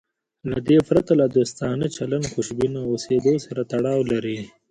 له دې پرته له دوستانه چلند خوشبینه اوسېدو سره تړاو لري.